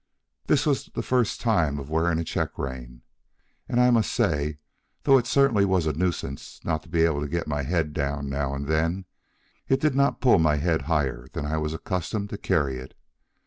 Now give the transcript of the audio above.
This was the first time of wearing a check rein, and I must say, though it certainly was a nuisance not to be able to get my head down now and then, it did not pull my head higher than I was accustomed to carry it.